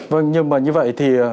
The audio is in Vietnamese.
vâng nhưng mà như vậy thì